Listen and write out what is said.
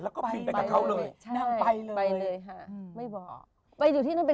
ก็เลยกลายเป็นแฟนกัน